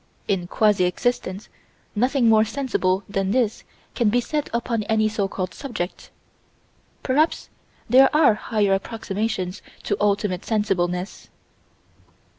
In a quasi existence, nothing more sensible than this can be said upon any so called subject perhaps there are higher approximations to ultimate sensibleness.